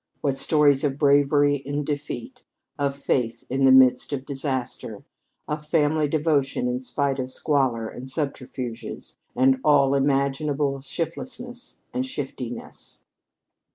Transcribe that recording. What stories of bravery in defeat, of faith in the midst of disaster, of family devotion in spite of squalor and subterfuges and all imaginable shiftlessness and shiftiness.